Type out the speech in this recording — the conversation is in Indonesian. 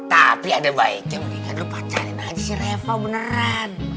tapi ada baiknya menikah lo pacarin aja si reva beneran